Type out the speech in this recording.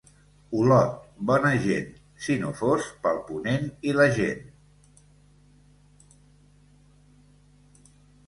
Olot, bona gent, si no fos pel ponent i la gent.